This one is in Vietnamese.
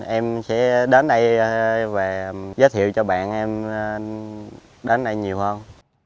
em sẽ đến đây và giới thiệu cho bạn em đến đây nhiều hơn